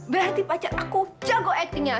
berarti pacar aku jago acting ya